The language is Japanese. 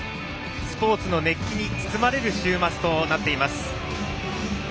スポーツの熱気に包まれる週末となっています。